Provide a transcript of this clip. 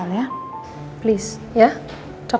tolong ya berbicara sama dia